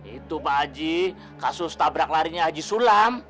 itu pak ajie kasus tabrak larinya ajie sulam